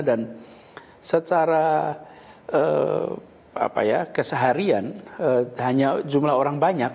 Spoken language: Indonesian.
dan secara keseharian hanya jumlah orang banyak